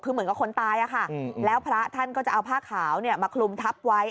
คือเหมือนกับคนตายอะค่ะแล้วพระท่านก็จะเอาผ้าขาวมาคลุมทับไว้